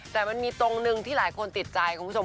แต่มันมีตรงหนึ่งที่หลายคนติดใจคุณผู้ชม